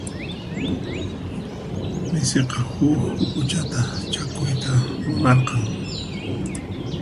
Misiqa huk huk'uchata chakuyta munarqan.